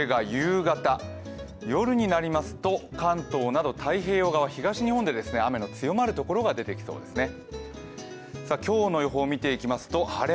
夜になりますと関東など太平洋側東日本で雨の強まるところが出てきそうですね。